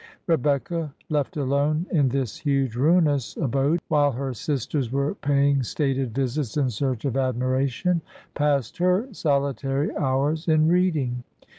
Rebecca, left alone in this huge ruinous abode, while her sisters were paying stated visits in search of admiration, passed her solitary hours in reading.